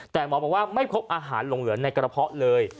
แต่หมอบอกว่าไม่พบอาหารหลงเหลือในกระเพาะเลย